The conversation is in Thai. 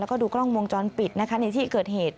แล้วก็ดูกล้องวงจรปิดนะคะในที่เกิดเหตุ